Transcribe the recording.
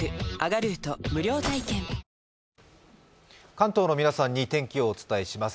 関東の皆さんに天気をお伝えします。